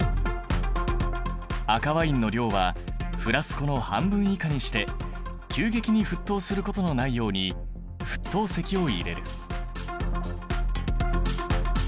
赤ワインの量はフラスコの半分以下にして急激に沸騰することのないように沸騰石を入れる。